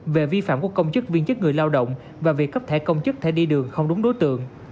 về vi phạm của công chức viên chức người lao động và việc cấp thẻ công chức thẻ đi đường không đúng đối tượng